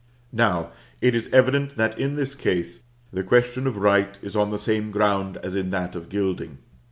Now, it is evident, that, in this case, the question of right is on the same ground as in that of gilding.